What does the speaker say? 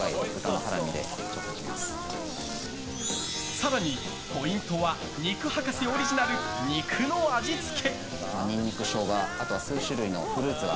更に、ポイントは肉博士オリジナル、肉の味付け。